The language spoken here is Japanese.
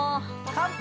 乾杯。